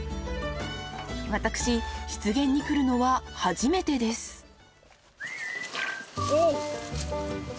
［私湿原に来るのは初めてです］おっ。